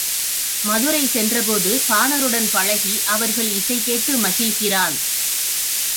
மதுரை சென்றபோது பாணருடன் பழகி அவர்கள் இசை கேட்டு மகிழ்கிறான்.